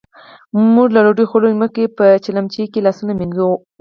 موژ له ډوډۍ خوړلو مخکې په چیلیمچې کې لاسونه مينځو.